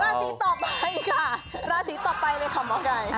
ราศีต่อไปค่ะราศีต่อไปเลยค่ะหมอไก่